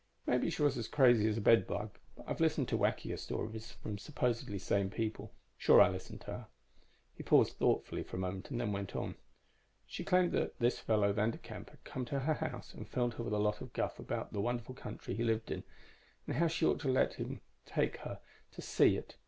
"Maybe she was as crazy as a bedbug, but I've listened to whackier stories from supposedly sane people. Sure, I listened to her." He paused thoughtfully for a moment, then went on. "She claimed that this fellow Vanderkamp had come to her house and filled her with a lot of guff about the wonderful country he lived in, and how she ought to let him take her to see it.